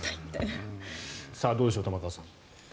どうでしょう玉川さん。